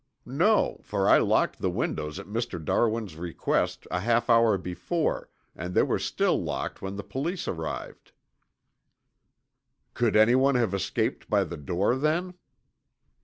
"No, for I locked the windows at Mr. Darwin's request a half hour before, and they were still locked when the police arrived." "Could anyone have escaped by the door then?"